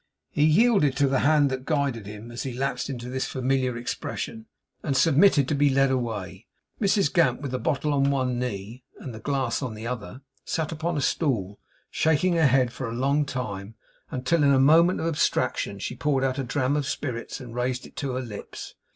He yielded to the hand that guided him, as he lapsed into this familiar expression, and submitted to be led away. Mrs Gamp, with the bottle on one knee, and the glass on the other, sat upon a stool, shaking her head for a long time, until, in a moment of abstraction, she poured out a dram of spirits, and raised it to her lips.